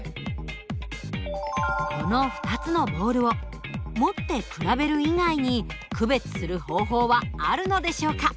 この２つのボールを持って比べる以外に区別する方法はあるのでしょうか？